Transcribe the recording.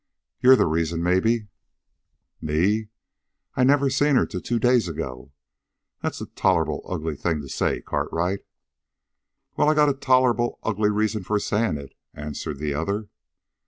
"You're the reason maybe." "Me? I never seen her till two days ago. That's a tolerable ugly thing to say, Cartwright!" "Well, I got tolerable ugly reasons for saying it," answered the other.